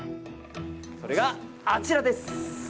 それが、あちらです。